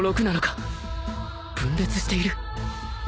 分裂している？